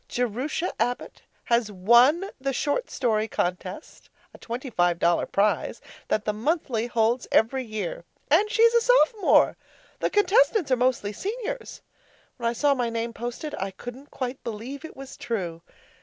Jerusha Abbott has won the short story contest (a twenty five dollar prize) that the Monthly holds every year. And she's a Sophomore! The contestants are mostly Seniors. When I saw my name posted, I couldn't quite believe it was true.